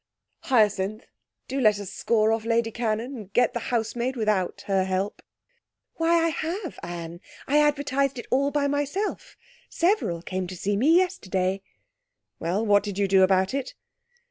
'Hyacinth, do let us score off Lady Cannon, and get the housemaid without her help.' 'Why, I have, Anne, I advertised all by myself. Several came to see me yesterday.' 'Well, what did you do about it?'